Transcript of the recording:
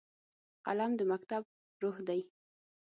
قلم د مکتب روح دی